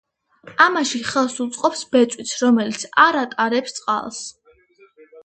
ამაში ხელს უწყობს ბეწვიც, რომელიც არ ატარებს წყალს.